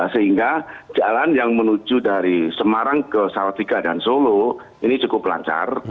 sehingga jalan yang menuju dari semarang ke salatiga dan solo ini cukup lancar